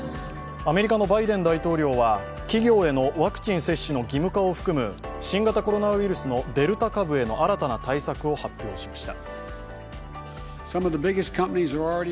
アメリカのバイデン大統領は企業へのワクチン接種の義務化を含む新型コロナウイルスのデルタ株への新たな対策を発表しました。